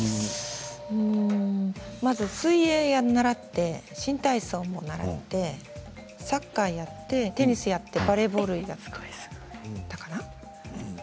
まず水泳を習って新体操も習ってサッカーをやってテニスをやってバレーボールをやっていたかな？